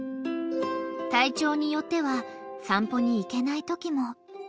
［体調によっては散歩に行けないときも］